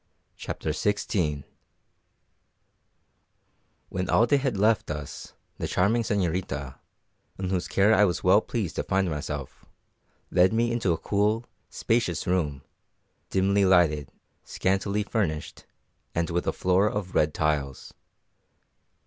CHAPTER XVI When Alday had left us, the charming señorita, in whose care I was well pleased to find myself, led me into a cool, spacious room, dimly lighted, scantily furnished, and with a floor of red tiles.